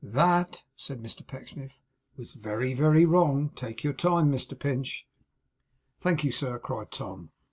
'That,' said Mr Pecksniff, 'was very, very wrong. Take your time, Mr Pinch.' 'Thank you, sir,' cried Tom.